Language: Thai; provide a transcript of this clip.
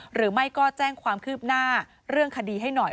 หรือไม่ก็แจ้งความคืบหน้าเรื่องคดีให้หน่อย